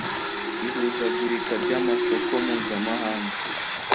ihuzagurika ry’amasoko mpuzamahanga